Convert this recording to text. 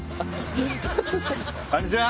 こんにちは。